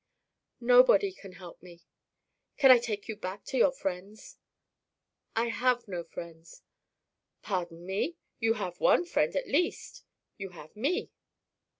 "Nobody can help me." "Can I take you back to your friends?" "I have no friends." "Pardon me, you have one friend at least you have me."